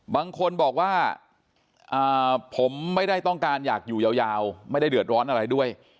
บางคนบอกว่าผมไม่ได้ต้องการอยากอยู่ยาวไม่ได้เดือดร้อนอะไรด้วย